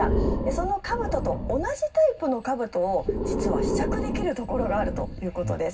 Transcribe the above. そのかぶとと同じタイプのかぶとを実は試着できるところがあるということです。